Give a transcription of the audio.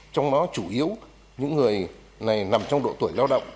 trong đó chủ yếu những người này nằm trong độ tuổi lao động